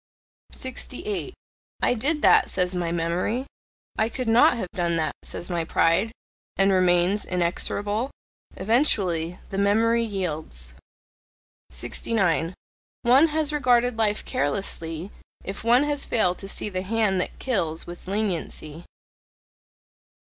68. "I did that," says my memory. "I could not have done that," says my pride, and remains inexorable. Eventually the memory yields. 69. One has regarded life carelessly, if one has failed to see the hand that kills with leniency.